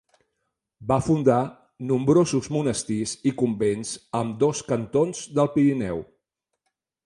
Va fundar nombrosos monestirs i convents a ambdós cantons del Pirineu.